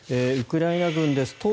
ウクライナ軍です。